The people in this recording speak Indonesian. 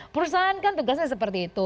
perusahaan kan tugasnya seperti itu